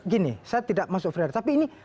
gini saya tidak masuk frederita tapi ini